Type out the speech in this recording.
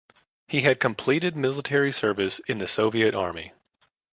He had completed military service in the Soviet Army.